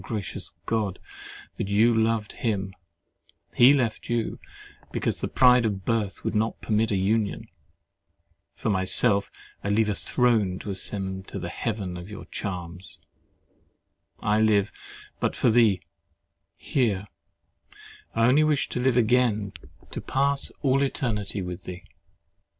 gracious God! that you loved him) he left you because "the pride of birth would not permit a union."—For myself, I would leave a throne to ascend to the heaven of thy charms. I live but for thee, here—I only wish to live again to pass all eternity with thee.